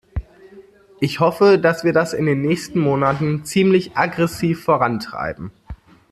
Ich hoffe, dass wir das in den nächsten Monaten ziemlich aggressiv vorantreiben.